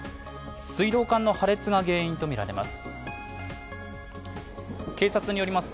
水道管の破裂が原因とみられます。